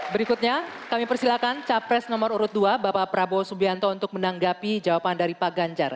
berikutnya kami persilakan capres nomor urut dua bapak prabowo subianto untuk menanggapi jawaban dari pak ganjar